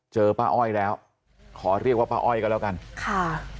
เจอป้าอ้อยแล้วขอเรียกว่าป้าอ้อยก็แล้วกันค่ะ